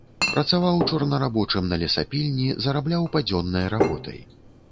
Працаваў чорнарабочым на лесапільні, зарабляў падзённай работай.